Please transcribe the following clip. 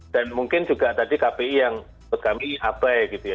dan mungkin juga tadi kpi yang bergambi abai gitu ya